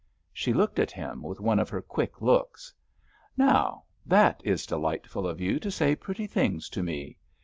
She looked at him with one of her quick looks. "Now, that is delightful of you to say pretty things to me.